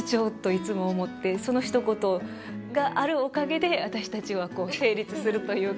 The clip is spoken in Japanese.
そのひと言があるおかげで私たちはこう成立するというか。